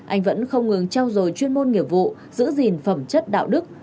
anh vẫn không ngừng trao dồi chuyên môn nghiệp vụ giữ gìn phẩm chất đạo đức